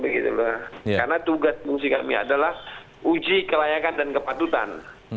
karena tugas fungsi kami adalah uji kelayakan dan kepatutan